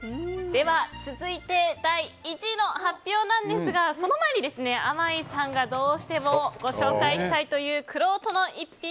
では、続いて第１位の発表なんですがその前に、あまいさんがどうしてもご紹介したいというくろうとの逸品